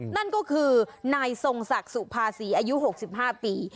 นั่นก็คือนายทรงศักดิ์สุภาษีอายุ๖๕ปี